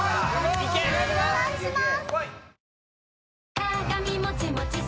お願いします！